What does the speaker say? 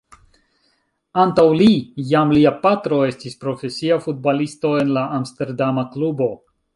Antaŭ li, jam lia patro estis profesia futbalisto en la amsterdama klubo.